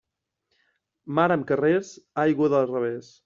Mar amb carrers, aigua de revés.